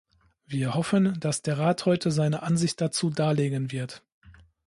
Wir hoffen, dass der Rat heute seine Ansicht dazu darlegen wird.